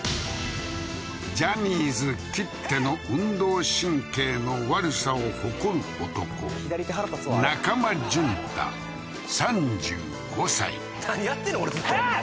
ジャニーズきっての運動神経の悪さを誇る男中間淳太３５歳何やってんねんこれずっとハッ！